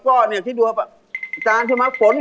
เจี๊ยวไข่ดาวผัดกะเพราค่ะ